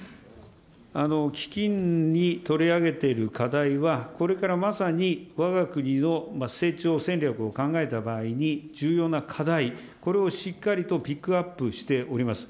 基金に取り上げている課題は、これからまさにわが国の成長戦略を考えた場合に重要な課題、これをしっかりとピックアップしております。